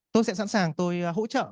tôi sẽ sẵn sàng tôi hỗ trợ